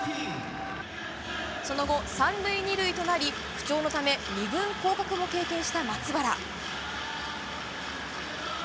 その後、３塁２塁となり不調のため２軍降格も経験した松原。